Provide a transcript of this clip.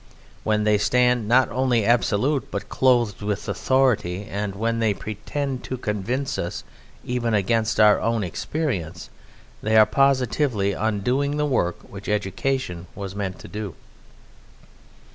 When they stand not only absolute but clothed with authority, and when they pretend to convince us even against our own experience, they are positively undoing the work which education was meant to do.